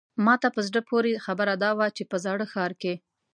ماته په زړه پورې خبره دا وه چې په زاړه ښار کې.